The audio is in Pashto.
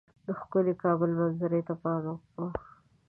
د ښکلي کابل منظرې ته پام وو.